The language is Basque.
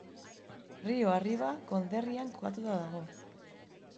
Rio Arriba konderrian kokatua dago.